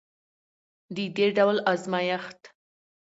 د دې ډول ازمیښت